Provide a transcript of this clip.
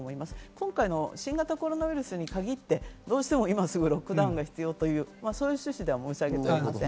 今回の新型コロナウイルスに限って、どうしても今すぐロックダウンが必要というそういう趣旨では申し上げておりません。